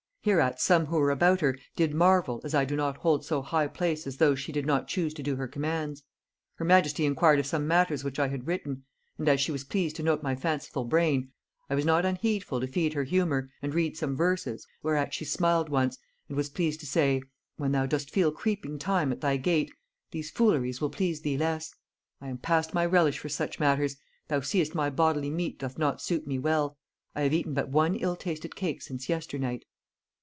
Hereat some who were about her did marvel, as I do not hold so high place as those she did not choose to do her commands.... Her majesty inquired of some matters which I had written; and as she was pleased to note my fanciful brain, I was not unheedful to feed her humour, and read some verses, whereat she smiled once, and was pleased to say: 'When thou dost feel creeping time at thy gate, these fooleries will please thee less; I am past my relish for such matters; thou seest my bodily meat doth not suit me well; I have eaten but one ill tasted cake since yesternight.'